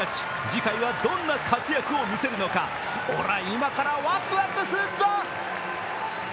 次回はどんな活躍を見せるのか、オラ、今からワクワクすっぞ！